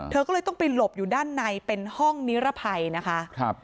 เธอก็เลยต้องไปหลบอยู่ด้านในเป็นห้องนิรภัยนะคะ